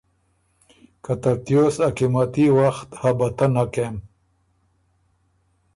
که ترتیوس او قیمتي وخت حبطه نک کېم۔